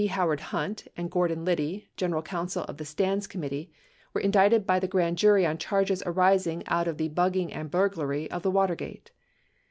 Howard Hunt, and Gordon Biddy, general counsel of the Stans committee, were indicted bv the grand jury on charges arising out of the bugging and burglary of the Watergate.